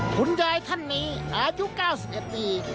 คุณยายท่านนี้อายุ๙๑ปี